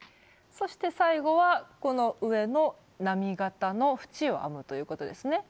そして最後はこの上の波形の縁を編むということですね。